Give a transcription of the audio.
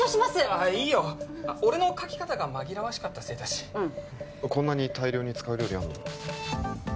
あっいいよ俺の書き方が紛らわしかったせいだしこんなに大量に使う料理あるの？